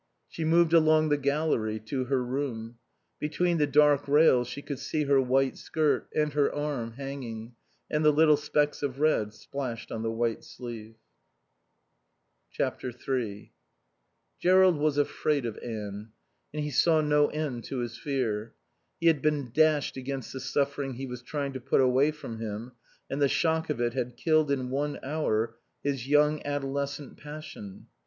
She moved along the gallery to her room. Between the dark rails he could see her white skirt, and her arm, hanging, and the little specks of red splashed on the white sleeve. iii Jerrold was afraid of Anne, and he saw no end to his fear. He had been dashed against the suffering he was trying to put away from him and the shock of it had killed in one hour his young adolescent passion.